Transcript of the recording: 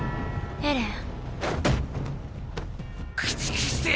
エレン！